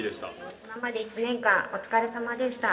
今まで１年間お疲れさまでした。